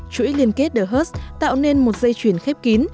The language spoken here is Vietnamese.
chuỗi liên kết the hust tạo nên một dây chuyền khép kín